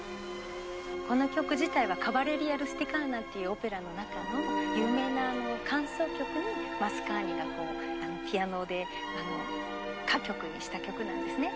この曲自体は「カヴァレリア・ルスティカーナ」っていうオペラの中の有名な間奏曲にマスカーニがこうピアノで歌曲にした曲なんですね。